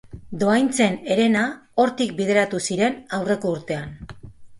Dohaintzen herena hortik bideratu ziren aurreko urtean.